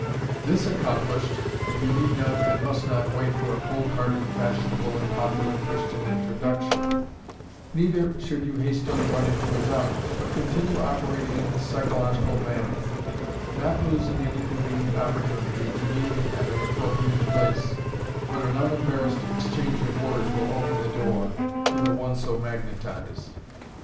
This accomplished, and you need not and must not wait for a cold hearted, fashionable, and popular Christian introduction; neither should you hastily run into his arms, but continue operating in this psychological manner; not losing any convenient opportunity to meet him at an appropriate place, when an unembarrassed exchange of words will open the door, to the one so magnetized.